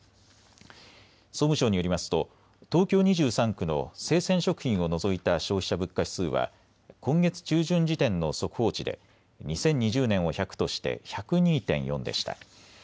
総務省によりますと東京２３区の生鮮食品を除いた消費者物価指数は今月中旬時点の速報値で２０２０年を１００として１０２．４でした。